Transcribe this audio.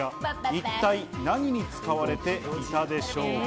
一体、何に使われていたでしょうか？